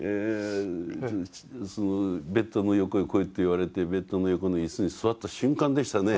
ベッドの横へ来いと言われてベッドの横の椅子に座った瞬間でしたね。